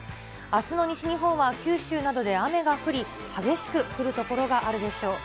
あすの西日本は、九州などで雨が降り、激しく降る所があるでしょう。